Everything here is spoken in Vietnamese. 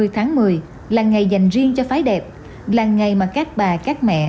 hai mươi tháng một mươi là ngày dành riêng cho phái đẹp là ngày mà các bà các mẹ